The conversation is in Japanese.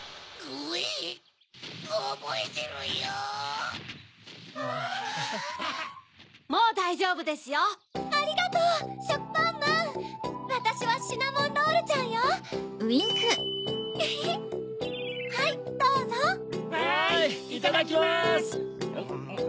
わいいただきます！